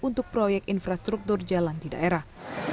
untuk proyek infrastruktur jalan di daerah